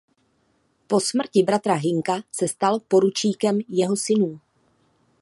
Po smrti bratra Hynka se stal poručníkem jeho synů.